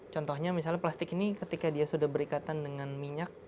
contohnya misalnya plastik ini ketika dia sudah berikatan dengan minyak